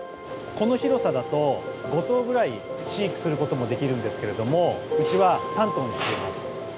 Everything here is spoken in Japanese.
この広さだと５頭ぐらい飼育する事もできるんですけれどもうちは３頭にしています。